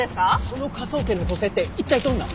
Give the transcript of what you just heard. その科捜研の女性って一体どんな？